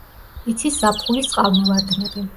იცის ზაფხულის წყალმოვარდნები.